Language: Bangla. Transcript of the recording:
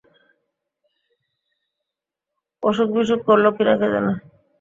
অসুখবিসুখ করল কি না কে জানে?